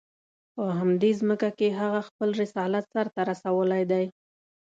په همدې ځمکه کې هغه خپل رسالت سر ته رسولی دی.